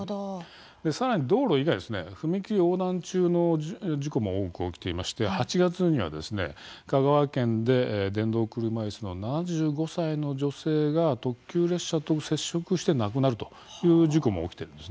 さらに道路以外、踏切横断中の事故も多く起きていまして８月には香川県で電動車いすの７５歳の女性が特急列車と接触して亡くなるという事故も起きているんです。